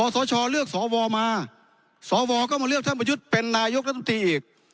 สชเลือกสวมาสวก็มาเลือกท่านประยุทธ์เป็นนายกรัฐมนตรีอีก